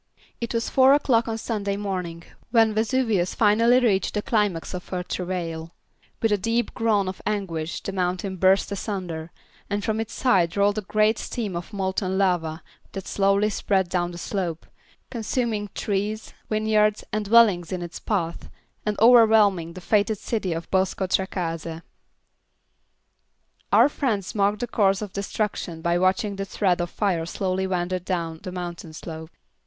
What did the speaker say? It was four o'clock on Sunday morning when Vesuvius finally reached the climax of her travail. With a deep groan of anguish the mountain burst asunder, and from its side rolled a great stream of molten lava that slowly spread down the slope, consuming trees, vineyards and dwellings in its path and overwhelming the fated city of Bosco Trecase. Our friends marked the course of destruction by watching the thread of fire slowly wander down the mountain slope.